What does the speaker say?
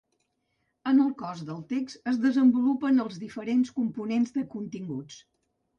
En el cos del text es desenvolupen els diferents components de continguts.